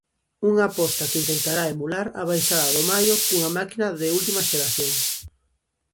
Unha aposta que intentará emular a baixada do maio cunha máquina de última xeración.